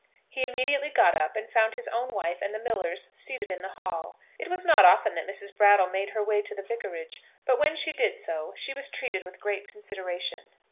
He immediately got up, and found his own wife and the miller's seated in the hall. It was not often that Mrs. Brattle made her way to the Vicarage, but when she did so she was treated with great consideration.